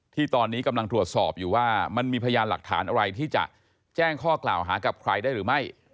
ที่ตอนนี้กำลังตรวจสอบอยู่ว่ามันมีพยานหลักฐานอะไรที่จะแจ้งข้อกล่าวหากับใครได้หรือไม่